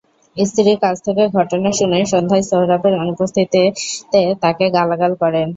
স্ত্রীর কাছ থেকে ঘটনা শুনে সন্ধ্যায় সোহরাবের অনুপস্থিতিতে তাঁকে গালাগাল করেন।